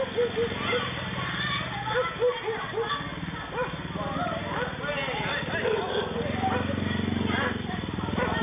สวัสดีสวัสดีสวัสดี